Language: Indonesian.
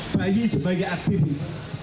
bayi sebagai aktivis